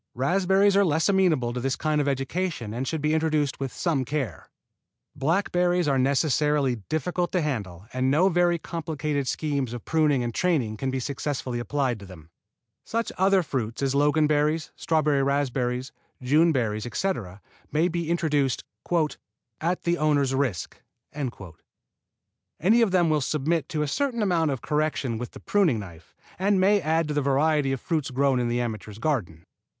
Raspberries are less amenable to this kind of education and should be introduced with some care. Blackberries are necessarily difficult to handle and no very complicated schemes of pruning and training can be successfully applied to them. Such other fruits as Loganberries, strawberry raspberries, June berries, etc., may be introduced "at the owner's risk." Any of them will submit to a certain amount of correction with the pruning knife, and may add to the variety of fruits grown in the amateur's garden.